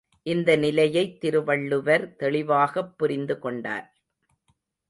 இந்த நிலையைத் திருவள்ளுவர் தெளிவாகப் புரிந்துகொண்டார்.